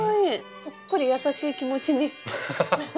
ほっこり優しい気持ちになりますね。